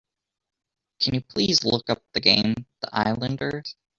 Can you please look up the game, The Islanders?